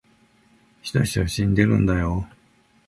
人一人死んでるんだよ